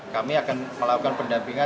kami akan melakukan pendampingan